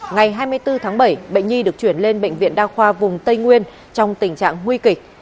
ngày hai mươi bốn tháng bảy bệnh nhi được chuyển lên bệnh viện đa khoa vùng tây nguyên trong tình trạng nguy kịch